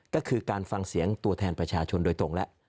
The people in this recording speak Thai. ก็คือการฟังเสียงตัวแทนประชาชนโดยตรงแล้ว